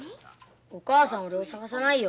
お母さんは俺を捜さないよ。